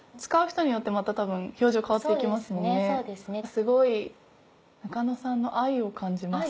すごい。中野さんの愛を感じます。